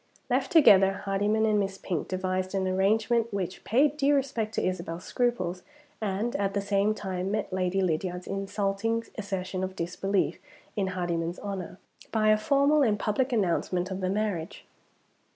Left together, Hardyman and Miss Pink devised an arrangement which paid due respect to Isabel's scruples, and at the same time met Lady Lydiard's insulting assertion of disbelief in Hardyman's honor, by a formal and public announcement of the marriage.